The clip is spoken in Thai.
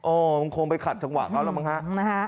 มันคงไปขัดจังหวะเขาแล้วมั้งฮะ